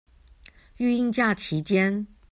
育嬰假期間